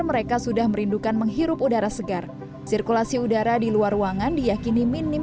mereka sudah merindukan menghirup udara segar sirkulasi udara di luar ruangan diyakini minim